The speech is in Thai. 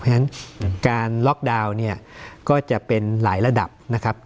เพราะฉะนั้นการล็อกดาวน์เนี่ยก็จะเป็นหลายระดับนะครับ